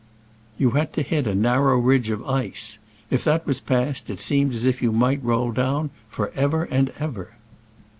You had to hit a narrow ridge of ice. If that was passed, it seemed as if you might roll down for ever and ever.